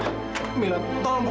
kak fadil sekarang pergi